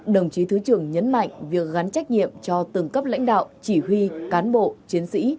đồng chí thứ trưởng nhấn mạnh việc gắn trách nhiệm cho từng cấp lãnh đạo chỉ huy cán bộ chiến sĩ